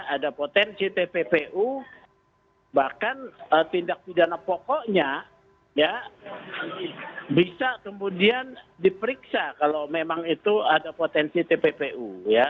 ada potensi tppu bahkan tindak pidana pokoknya bisa kemudian diperiksa kalau memang itu ada potensi tppu